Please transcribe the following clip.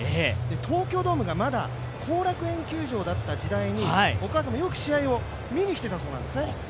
東京ドームがまだ後楽園球場だった時代にお母さんもよく試合を見に来ていたそうなんですね。